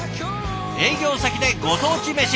営業先でご当地メシ。